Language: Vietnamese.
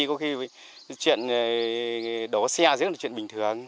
có khi chuyện đổ xe rất là chuyện bình thường